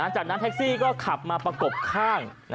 จากนั้นแท็กซี่ก็ขับมาประกบข้าง